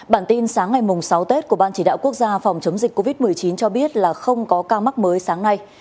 bản tin sáng ngày sáu tết của ban chỉ đạo quốc gia phòng chống dịch covid một mươi chín cho biết là không có ca mắc mới sáng nay